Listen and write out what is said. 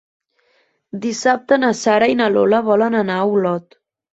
Dissabte na Sara i na Lola volen anar a Olot.